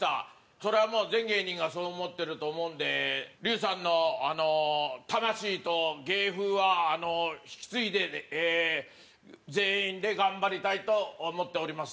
それは、もう、全芸人がそう思ってると思うんで竜さんの魂と芸風は引き継いで全員で頑張りたいと思っております。